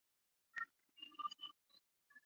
蓬考斯。